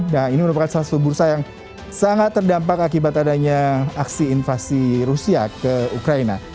nah ini merupakan salah satu bursa yang sangat terdampak akibat adanya aksi invasi rusia ke ukraina